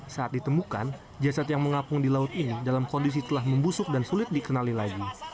saat ditemukan jasad yang mengapung di laut ini dalam kondisi telah membusuk dan sulit dikenali lagi